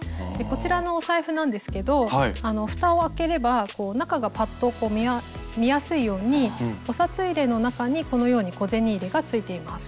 こちらのお財布なんですけどふたをあければこう中がパッと見やすいようにお札入れの中にこのように小銭入れが付いています。